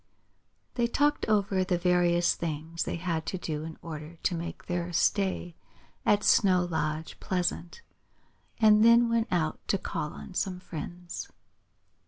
They talked over the various things they had to do in order to make their stay at Snow Lodge pleasant, and then went out to call on some friends.